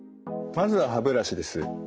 まず歯ブラシです。